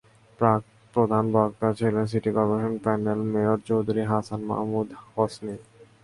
প্রধান বক্তা ছিলেন city corporation panel mayor Chowdhury Hasan Mahmud Hasni.